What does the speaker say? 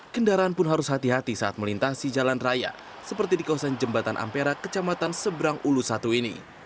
kendaraan pun harus hati hati saat melintasi jalan raya seperti di kawasan jembatan ampera kecamatan seberang ulus satu ini